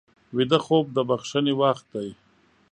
ویده خوب د بښنې وخت دی